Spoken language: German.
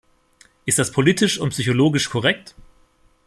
Ist das politisch und psychologisch korrekt?